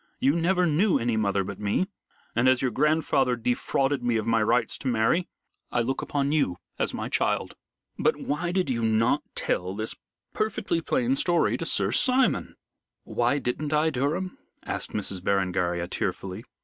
"You never knew any mother but me, and as your grandfather defrauded me of my rights to marry, I look upon you as my child." "But why did you not tell this perfectly plain story to Sir Simon?" "Why didn't I, Durham?" asked Miss Berengaria tearfully.